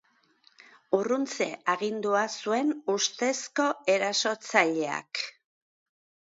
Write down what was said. Urruntze agindua zuen ustezko erasotzaileak.